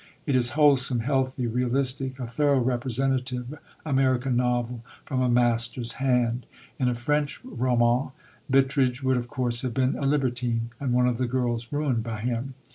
It is wholesome, healthy, realistic; a thoroughly representative American novel from a master's hand. In a French roman, Bittredge would of course have been a libertine, and one of the girls ruined by him.